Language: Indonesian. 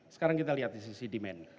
sekarang kita lihat di sisi demand